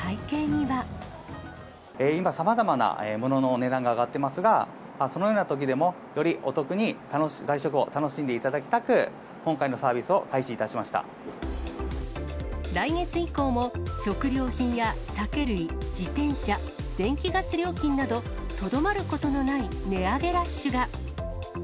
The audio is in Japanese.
今、さまざまなものの値段が上がってますが、そのようなときでも、よりお得に外食を楽しんでいただきたく、今回のサービスを開始い来月以降も食料品や酒類、自転車、電気・ガス料金など、とどまることのない値上げラッシュが。